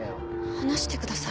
離してください。